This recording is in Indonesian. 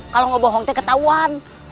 kalau ngebohong itu ketahuan